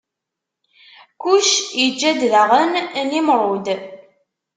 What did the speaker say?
Kuc iǧǧa-d daɣen Nimrud.